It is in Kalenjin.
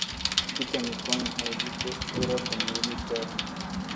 Kito ni kwonge Haji ko kerote murenik choto.